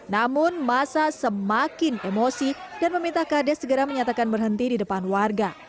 namun masa semakin emosi dan meminta kd segera menyatakan berhenti di depan warga